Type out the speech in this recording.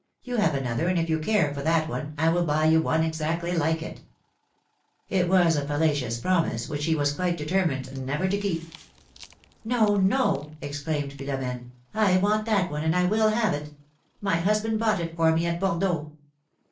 You have another, and if you care for that one, I will buy you one exactly like it.^^ It was a fallacious promise, which he was quite deter mined never to keep. philomene's marriages. 175 no!^' exclaimed Philomene. I want that one, and I will have it ! My husband bought it for me at Bordeaux.